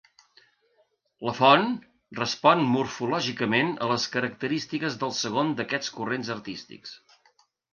La font respon morfològicament a les característiques del segon d'aquests corrents artístics.